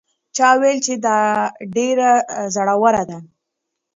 چا وویل چې دا ډېره زړه وره ده؟